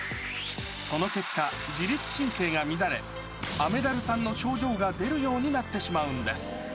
その結果、自律神経が乱れ、雨ダルさんの症状が出るようになってしまうんです。